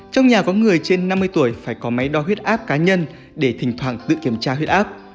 trong nhà có người trên năm mươi tuổi phải có máy đo huyết áp cá nhân để thỉnh thoảng tự kiểm tra huyết áp